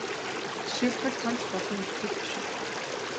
Жишээлбэл цамц бол итгэл биш юм.